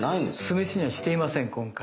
酢飯にはしていません今回。